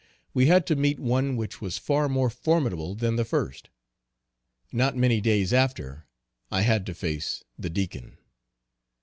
We had to meet one which was far more formidable than the first. Not many days after I had to face the Deacon.